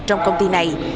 trong công ty này